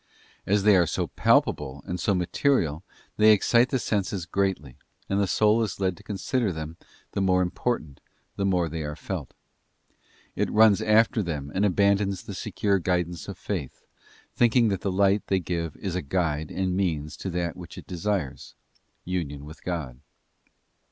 As they are so palpable and so material they excite the senses greatly, and the soul is led to consider them the more important, the more they are felt. It runs after them and abandons the secure guidance of Faith, thinking that the light they give is a guide and means to that which it desires, union with God.